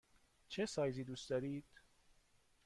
چه سایزی دوست دارید؟